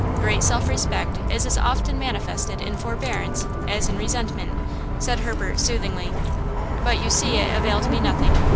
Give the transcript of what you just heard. Great self respect is as often manifested in forbearance as in resentment," said Herbert, soothingly. "But you see it availed me nothing.